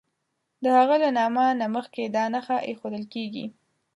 د هغه له نامه نه مخکې دا نښه ایښودل کیږي.